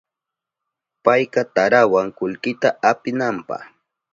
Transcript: Payka tarawan kullkita apinanpa.